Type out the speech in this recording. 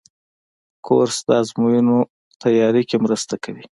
کورس د ازموینو تیاري کې مرسته کوي.